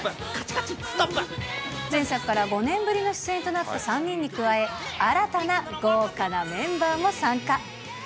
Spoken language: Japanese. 前作から５年ぶりの出演となった３人に加え、新たな豪華なメンバーも参加。